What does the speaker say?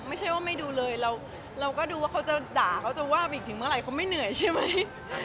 ไม่ใช่ว่าไม่ดูเลยเราก็ดูว่าเขาจะด่าเขาจะว่าไปอีกถึงเมื่อไหร่เขาไม่เหนื่อยใช่ไหม